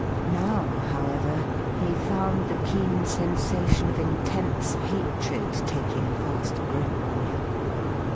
Now, however, he found the keen sensation of intense hatred taking fast grip on him.